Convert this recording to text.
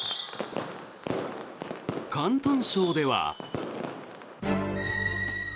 広東省では。